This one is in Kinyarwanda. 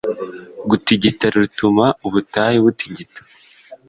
Gutigita rituma ubutayu butigita